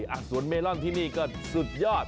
สวนเมลอนที่นี่ก็สุดยอด